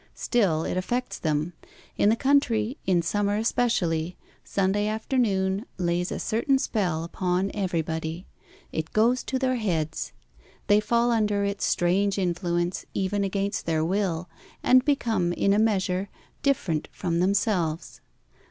Still, it affects them. In the country, in summer especially, Sunday afternoon lays a certain spell upon everybody. It goes to their heads. They fall under its strange influence, even against their will, and become, in a measure, different from themselves.